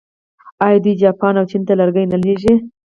آیا دوی جاپان او چین ته لرګي نه لیږي؟